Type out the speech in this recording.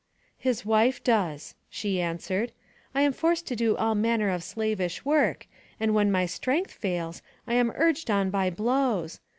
" His wife does," she answered. " I am forced to do all manner of slavish work, and when my strength fails, I am urged on by blows.